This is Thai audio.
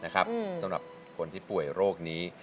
สำหรับคนที่ป่วยโรคนี้